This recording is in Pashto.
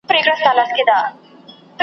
څښتن مي لا هم نه پېژنم .